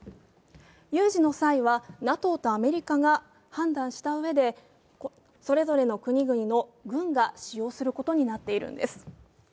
有事の際は、ＮＡＴＯとアメリカが判断したうえでそれぞれの国々の軍が使用することになっているんです。